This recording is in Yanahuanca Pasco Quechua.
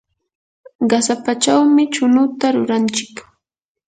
qasapachawmi chunuta ruranchik.